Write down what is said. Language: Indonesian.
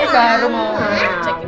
baru mau cek ini